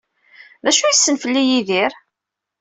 D acu ay yessen fell-i Yidir?